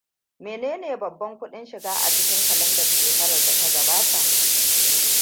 Menene babban kudin shiga a cikin kalandar shekara da ta gabata?